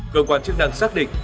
cơ quan chức năng xác định